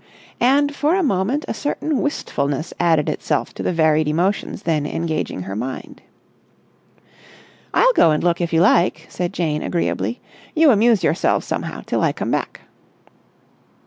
And for a moment a certain wistfulness added itself to the varied emotions then engaging her mind. "I'll go and look, if you like," said Jane agreeably. "You amuse yourselves somehow till I come back."